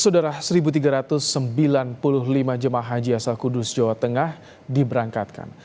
saudara satu tiga ratus sembilan puluh lima jemaah haji asal kudus jawa tengah diberangkatkan